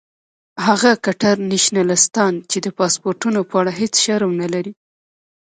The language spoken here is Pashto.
هغه کټر نیشنلستان چې د پاسپورټونو په اړه هیڅ شرم نه لري.